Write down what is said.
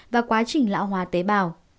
và quá trình lão hóa tế bào